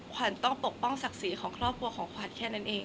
ขวัญต้องปกป้องศักดิ์ศรีของครอบครัวของขวัญแค่นั้นเอง